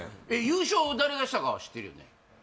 優勝誰がしたかは知ってるよね